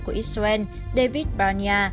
của israel david barnea